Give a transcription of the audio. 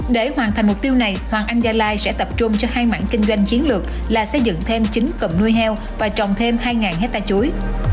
để hoàn thành mục tiêu này hoàng anh gia lai sẽ tập trung cho hai mảng kinh doanh chiến lược là xây dựng thêm chín cầm nuôi heo và trồng thêm hai hecta chuối